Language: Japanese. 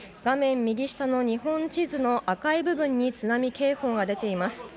画面右下の日本地図の赤い部分に津波警報が出ています。